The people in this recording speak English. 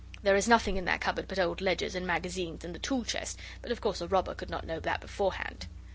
There is nothing in that cupboard but old ledgers and magazines and the tool chest, but of course, a robber could not know that beforehand.